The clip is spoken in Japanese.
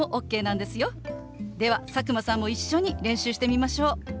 では佐久間さんも一緒に練習してみましょう。